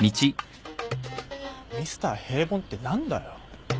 ミスター平凡って何だよ。